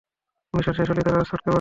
Mission শেষ হলেই তারা সটকে পড়ে।